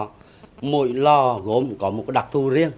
những lo gốm có một đặc thù riêng